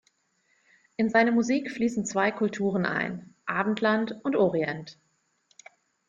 In seine Musik fließen zwei Kulturen ein, Abendland und Orient.